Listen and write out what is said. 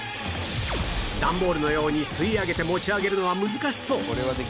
段ボールのように吸い上げて持ち上げるのは難しそう